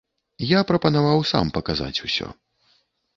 Я прапанаваў сам паказаць усё.